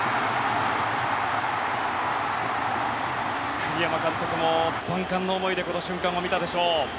栗山監督も万感の思いでこの瞬間を見たでしょう。